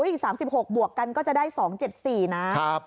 อีก๓๖บวกกันก็จะได้๒๗๔นะ